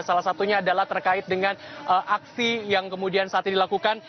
salah satunya adalah terkait dengan aksi yang kemudian saat ini dilakukan